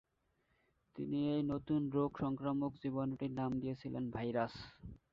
তিনি এই নতুন রোগ সংক্রামক জীবাণুটির নাম দিয়েছিলেন ভাইরাস।